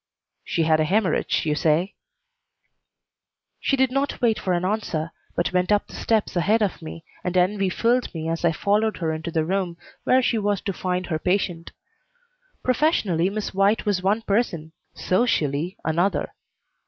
"She had a hemorrhage, you say?" She did not wait for an answer, but went up the steps ahead of me, and envy filled me as I followed her into the room where she was to find her patient. Professionally Miss White was one person, socially another.